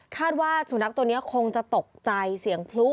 ว่าสุนัขตัวนี้คงจะตกใจเสียงพลุ